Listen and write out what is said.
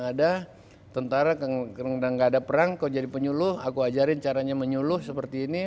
ada tentara nggak ada perang kau jadi penyuluh aku ajarin caranya menyuluh seperti ini